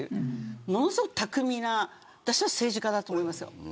ものすごく巧みな政治家だと思いますよ。